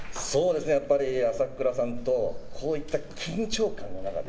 朝倉さんとこういった緊張感の中で